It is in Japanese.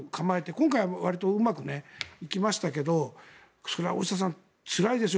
今回はうまくいきましたがそれは大下さん、つらいですよ。